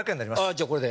じゃあこれで。